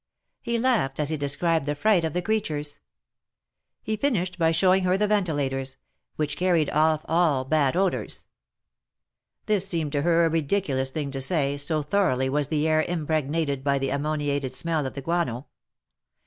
He laughed as he described the fright of the creatures. He finished by showing her the ventilators, "which carried ofi* all bad ddors.'^ This seemed to her a ridiculous thing to say, so thoroughly was the air impregnated by the amraoniated smell of the guano.